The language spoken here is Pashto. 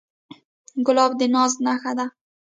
ګلاب د ناز نخښه ده.